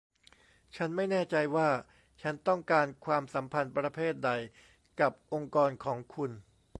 ฉันไม่แน่ใจว่าฉันต้องการความสัมพันธ์ประเภทใดกับองค์กรของคุณ